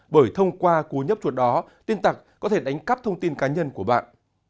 bởi thông qua cú nhấp chuột đó tin tặc có thể đánh cắp thông tin cá nhân của bạn